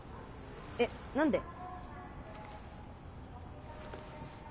えっ何で？